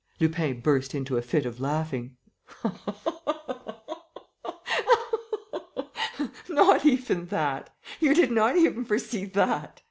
Lupin burst into a fit of laughing: "Not even that! You did not even foresee that!